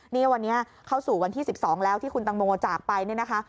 นี่วันนี้เข้าสู่วันที่๑๒แล้วที่คุณตังโมจากไปเนี่ยนะคะ